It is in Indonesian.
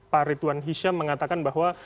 pak ridwan hisham mengatakan bahwa